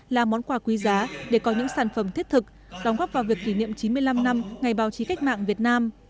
là món quà quý giá để có những sản phẩm thiết thực đóng góp vào việc kỷ niệm chín mươi năm năm ngày báo chí cách mạng việt nam